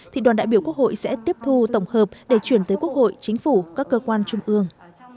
thì đoàn đại biểu quốc hội sẽ tiếp thu tổng hợp để chuyển tới quốc hội chính phủ các cơ quan trung ương